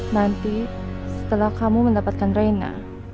nanti setelah kamu mendapatkan reina